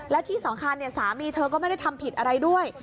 และที่สำคัญสามีเธอก็ไม่ได้ทำผิดอะไรด้วย